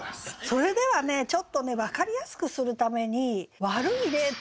それではねちょっとね分かりやすくするために悪い例っていうのをね